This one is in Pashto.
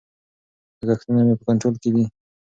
لګښتونه مې په کنټرول کې دي.